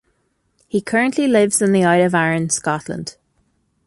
He currently lives on the Isle of Arran, Scotland.